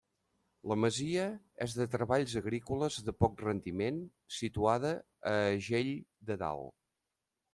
La masia és de treballs agrícoles de poc rendiment, situada a Agell de Dalt.